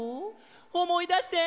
おもいだして！